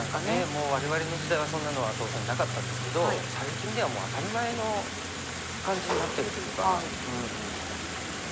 もう我々の時代はそんなのは当然なかったんですけど最近ではもう当たり前の感じになってるというか。